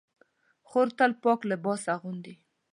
خور تل پاک لباس اغوندي.